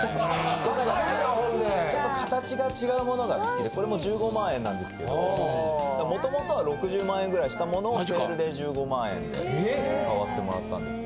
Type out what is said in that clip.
そうだからちょっと形が違うものが好きでこれも１５万円なんですけどもともとは６０万円ぐらいしたものをセールで１５万円で買わせてもらったんですよ。